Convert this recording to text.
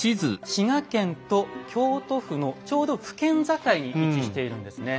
滋賀県と京都府のちょうど府県境に位置しているんですね。